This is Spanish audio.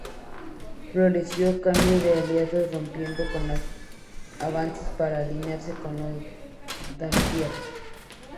Florencio cambió de aliados rompiendo con los Avesnes para aliarse con los Dampierre.